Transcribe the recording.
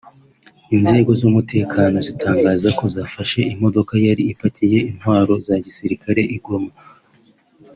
Inzego z’umutekano zitangaza ko zafashe imodoka yari ipakiye intwaro za gisirikare i Goma